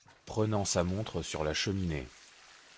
Prenant sa montre sur la cheminée.